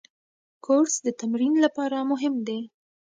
کورس د تمرین لپاره مهم دی.